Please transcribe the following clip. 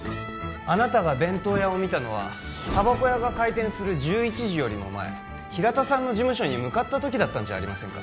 あなたが弁当屋を見たのはタバコ屋が開店する１１時よりも前平田さんの事務所に向かった時だったんじゃありませんか？